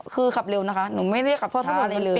คือขับเร็วนะคะหนูไม่ได้ขับรถอะไรเลย